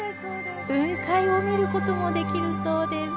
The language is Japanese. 雲海を見る事もできるそうです